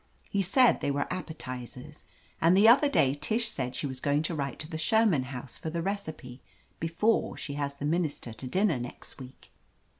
He said they were appetizers, and the other day Tish said she was going to write to the Sherman House for the recipe before she has the minister to dinner next week.